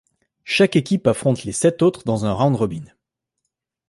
Chaque équipe affronte les sept autres dans un round robin.